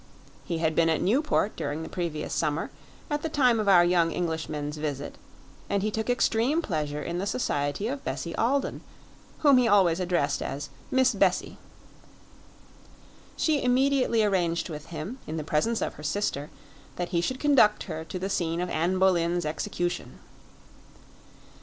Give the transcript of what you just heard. He had been at Newport during the previous summer, at the time of our young Englishmen's visit, and he took extreme pleasure in the society of Bessie Alden, whom he always addressed as "Miss Bessie." She immediately arranged with him, in the presence of her sister, that he should conduct her to the scene of Anne Boleyn's execution.